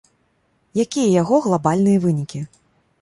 Якія яго глабальныя вынікі?